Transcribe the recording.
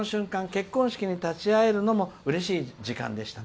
結婚式に立ち会えるのもうれしい時間でした。